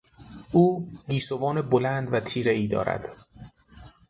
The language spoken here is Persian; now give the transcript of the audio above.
او گیسوان بلند و تیرهای دارد.